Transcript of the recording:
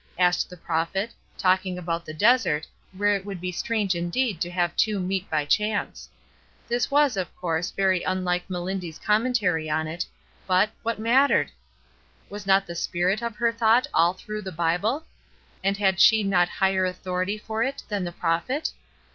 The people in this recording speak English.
asked the prophet, talking about the desert where it would be strange indeed to have two meet by chance. This was, of course, very unlike Melindy's commentary on it, but, what mat tered? Was not the spirit of her thought all through the Bible? And had she not higher authority for it than the prophet?